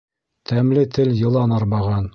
Тәмле тел йылан арбаған.